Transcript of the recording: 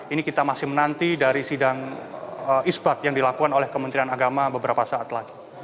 ini kita masih menanti dari sidang isbat yang dilakukan oleh kementerian agama beberapa saat lagi